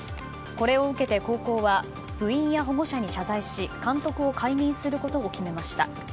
これを受けて高校は部員や保護者に謝罪し監督を解任することを決めました。